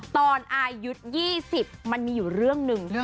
ตอนอายุ๒๐มันมีอยู่เรื่องหนึ่ง